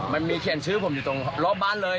มันมีเขียนชื่อผมอยู่ตรงรอบบ้านเลย